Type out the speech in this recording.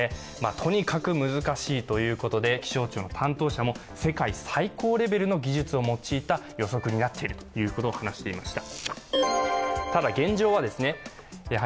とにかく難しいということで気象庁の担当者も世界最高レベルの技術を用いた予測になっていると話していました。